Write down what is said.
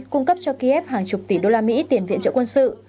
cung cấp cho kiev hàng chục tỷ đô la mỹ tiền viện trợ quân sự